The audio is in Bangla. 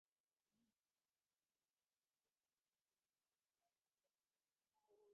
কিন্তু কোন মহাপুরুষ এরূপ শিক্ষা দেন নাই যে, বাহ্য আচার-অনুষ্ঠানগুলি মুক্তিলাভের পক্ষে অত্যাবশ্যক।